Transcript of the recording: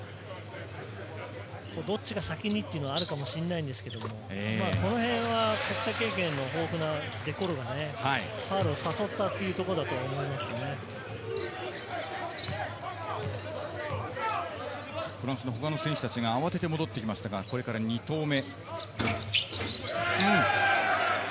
どっちが先にというのはあるかもしれないんですけれども国際経験の豊富な選手がファウルを誘ったというところだと思いまフランスのほかの選手たちが慌てて戻ってきましたが、これから２投目。